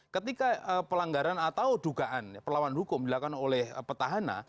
ketika pelanggaran atau dugaan perlawan hukum dilakukan oleh petahana